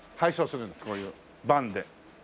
こういうバンで。